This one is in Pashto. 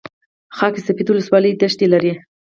خاک سفید ولسوالۍ دښتې لري؟